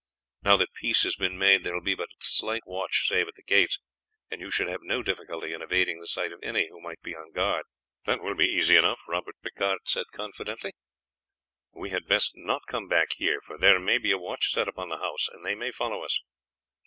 Now that peace has been made, there will be but slight watch save at the gates, and you should have no difficulty in evading the sight of any who may be on guard." "That will be easy enough," Robert Picard said confidently. "We had best not come back here, for there may be a watch set upon the house and they may follow us."